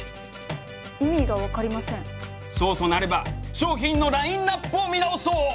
そうとなれば商品のラインナップを見直そう！